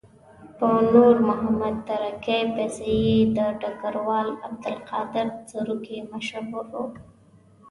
په نور محمد تره کي پسې یې د ډګروال عبدالقادر سروکي مشهور وو.